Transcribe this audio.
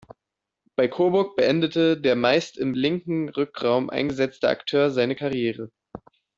Bei Coburg beendete der meist im linken Rückraum eingesetzte Akteur seine Karriere.